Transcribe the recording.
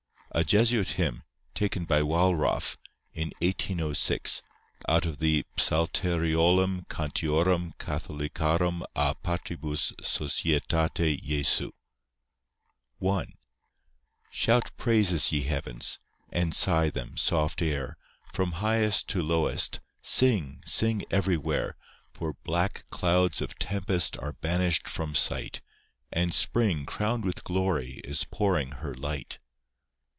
A Jesuit hymn, taken by Walraff, in 1806, out of the Psalteriolum Cantiorum Catholicarum a Patribus Societati Jesu. I Shout praises, ye heavens, And sigh them, soft air; From highest to lowest, Sing, sing everywhere; For black clouds of tempest Are banished from sight; And spring, crowned with glory, Is pouring her light.